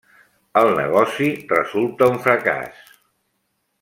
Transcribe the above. El negoci resulta un fracàs.